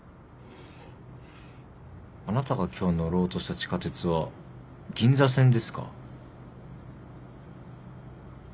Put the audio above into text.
あなたが今日乗ろうとした地下鉄は銀座線ですか？